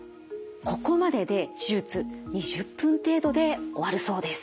ここまでで手術２０分程度で終わるそうです。